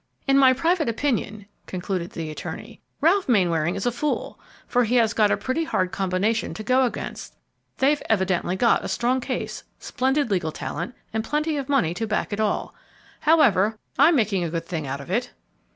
"In my private opinion," concluded the attorney, "Ralph Mainwaring is a fool, for he has got a pretty hard combination to go against; they've evidently got a strong case, splendid legal talent, and plenty of money to back it all. However, I'm making a good thing out of it."